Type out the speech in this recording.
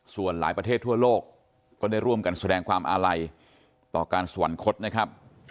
ส่วนหลายประเทศทั่วโลกก็ได้ร่วมกันแสดงความอาลัยต่อการสวรรคตนะครับ